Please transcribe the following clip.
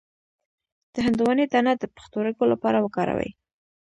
د هندواڼې دانه د پښتورګو لپاره وکاروئ